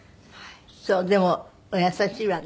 でもお優しいわね。